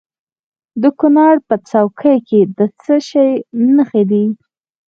د کونړ په څوکۍ کې د څه شي نښې دي؟